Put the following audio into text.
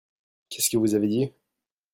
Qu'est-ce que vous avez dit ?